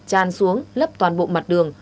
tràn xuống lấp toàn bộ mặt đường